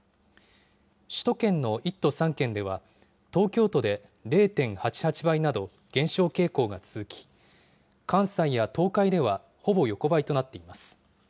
首都圏の１都３県では、東京都で０．８８倍など、減少傾向が続き、関西や東海では、ほぼ横ばいとなっています。